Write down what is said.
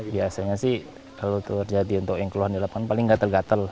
biasanya sih kalau terjadi untuk yang keluhan di lapangan paling gatel gatel